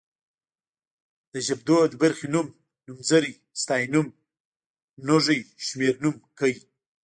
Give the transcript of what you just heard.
د ژبدود برخې نوم، نومځری ستيانوم ، نوږی شمېرنوم کړ